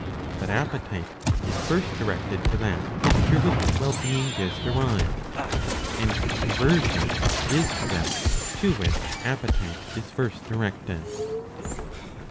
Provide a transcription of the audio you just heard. But appetite is first directed to that through which well being is derived. And conversion is to that to which appetite is first directed.